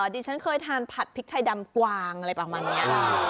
ดิฉันเคยทานผัดพริกไทยดำกวางอะไรประมาณนี้